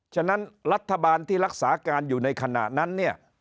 ฉะนั้นรัฐบาลที่รักษาการอยู่ในขณะนั้นเนี่ย